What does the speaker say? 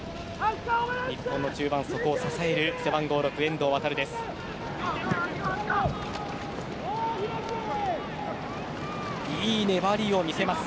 日本の中盤の底を支える背番号６、遠藤です。